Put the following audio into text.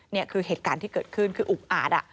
นี่คือเหตุการณ์ที่เกิดขึ้นคืออุกอาจ